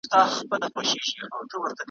دله غل د کور مالت نه غلا کوي ,